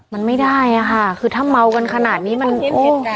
มันไม่ได้อะค่ะคือถ้าเมากันขนาดนี้มัน